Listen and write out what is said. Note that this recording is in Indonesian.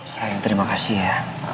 sayang terima kasih ya